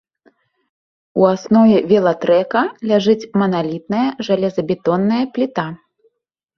У аснове велатрэка ляжыць маналітная жалезабетонная пліта.